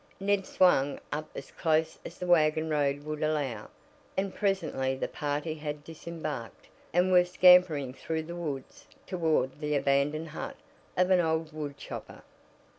Ned swung up as close as the wagon road would allow, and presently the party had "disembarked," and were scampering through the woods toward the abandoned hut of an old woodchopper.